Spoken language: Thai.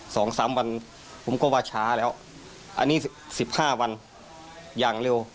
สองสามวันผมก็ว่าช้าแล้วอันนี้สิบห้าวันอย่างเร็ว